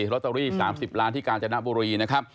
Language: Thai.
ลอตเตอรี่๓๐ล้านที่กาญจนบุรีนะครับ